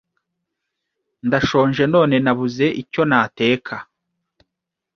"Ndashonje none nabuze icyo nateka